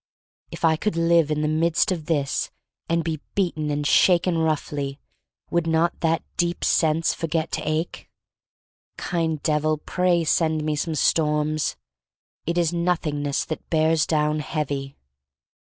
If I could live in the midst of this and be beaten and shaken roughly, would not that deep sense for get to ache? Kind Devil, pray send me some storms. It is Nothingness that bears down heavy.